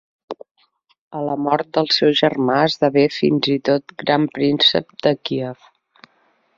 A la mort del seu germà esdevé fins i tot Gran príncep de Kíev.